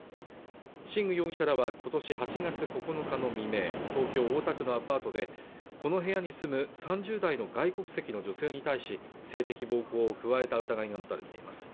シング容疑者らは今年８月９日の未明、東京大田区のアパートでこの部屋に住む３０代の外国籍の女性に対し性的暴行を加えた疑いが持たれています